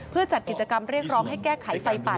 เพื่อจัดกิจกรรมเรียกร้องให้แก้ไขไฟป่า